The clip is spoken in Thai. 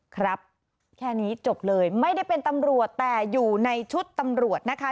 ครับแค่นี้จบเลยไม่ได้เป็นตำรวจแต่อยู่ในชุดตำรวจนะคะ